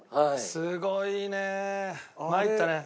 すごいね！